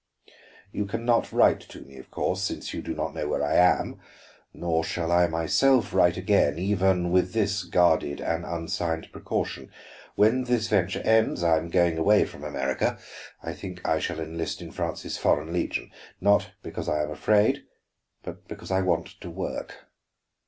You can not write to me, of course, since you do not know where I am. Nor shall I myself write again, even with this guarded and unsigned precaution. When this venture ends, I am going away from America; I think I shall enlist in France's Foreign Legion. Not because I am afraid, but because I want to work.